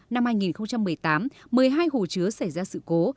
năm hai nghìn một mươi tám một mươi hai hồ chứa xảy ra sự cố